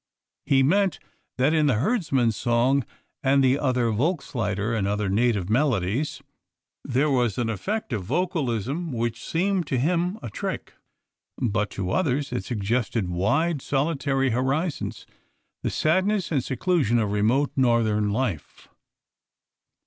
He meant that in the Herdsman's Song and the other Volkslieder and native melodies there was an effect of vocalism which seemed to him a trick. But to others it suggested wide, solitary horizons, the sadness and seclusion of remote Northern life.